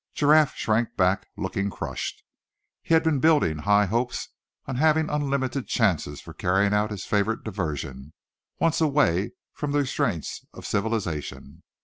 Giraffe shrank back, looking crushed. He had been building high hopes on having unlimited chances for carrying out his favorite diversion, once away from the restraints of civilization.